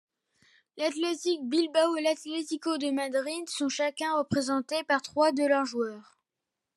L'Athletic Bilbao et l'Atlético de Madrid sont chacun représentés par trois de leurs joueurs.